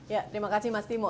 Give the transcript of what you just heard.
ya terima kasih mas timo